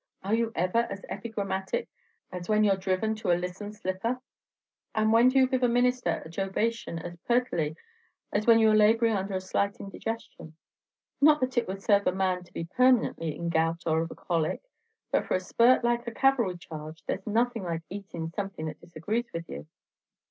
are you ever as epigrammatic as when you're driven to a listen slipper? and when do you give a minister a jobation as purtily as when you are laborin' under a slight indigestion? Not that it would sarve a man to be permanently in gout or the colic; but for a spurt like a cavalry charge, there's nothing like eatin' something that disagrees with you."